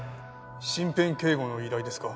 身辺警護の依頼ですか？